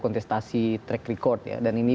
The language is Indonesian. kontestasi track record ya dan ini